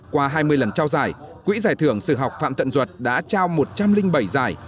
qua hai mươi lần trao giải quỹ giải thưởng sự học phạm tận duật đã trao một trăm linh bảy giải